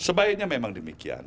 sebaiknya memang demikian